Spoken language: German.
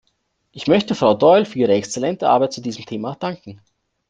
Ich möchte Frau Doyle für ihre exzellente Arbeit zu diesem Thema danken.